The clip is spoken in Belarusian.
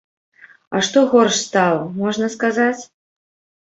А што горш стала, можна сказаць?